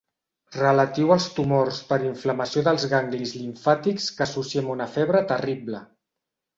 Relatiu als tumors per inflamació dels ganglis limfàtics que associem a una febre terrible.